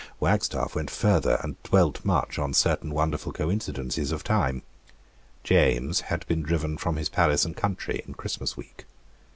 Wagstaffe went further, and dwelt much on certain wonderful coincidences of time. James had been driven from his palace and country in Christmas week.